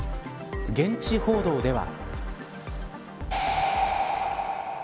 現地報道では。